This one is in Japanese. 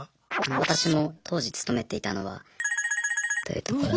私も当時勤めていたのはというところで。